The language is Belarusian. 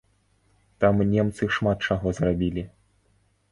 Там немцы шмат чаго зрабілі.